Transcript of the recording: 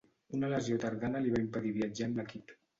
Una lesió tardana li va impedir viatjar amb l'equip.